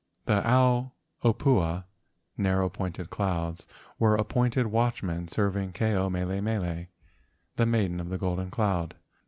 The ao opua (narrow pointed clouds) were appointed watchmen serving Ke ao mele mele, the Maiden of the Golden Cloud.